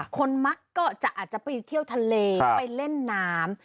มักก็จะอาจจะไปเที่ยวทะเลไปเล่นน้ำ